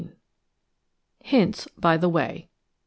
VI. HINTS BY THE WAY.